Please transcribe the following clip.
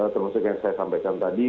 termasuk yang saya sampaikan tadi